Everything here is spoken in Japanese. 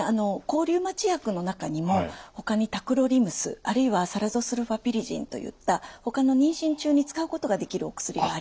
抗リウマチ薬の中にもほかにタクロリムスあるいはサラゾスルファピリジンといったほかの妊娠中に使うことができるお薬がありますので。